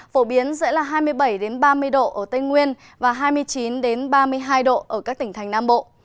phổ biến sẽ là hai mươi bảy ba mươi độ ở tây nguyên và hai mươi chín ba mươi hai độ ở các tỉnh thành nam bộ